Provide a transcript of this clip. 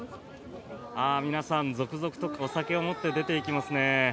皆さん、続々とお酒を持って出ていきますね。